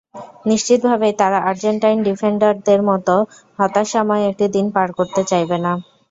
নিশ্চিতভাবেই তারা আর্জেন্টাইন ডিফেন্ডারদের মতো হতাশাময় একটা দিন পার করতে চাইবে না।